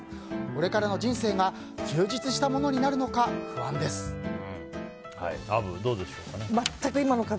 これからの人生が充実したものになるのかアブ、どうでしょうか。